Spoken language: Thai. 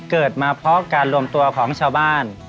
เกิดมาเพราะการรวมตัวของชาวบ้าน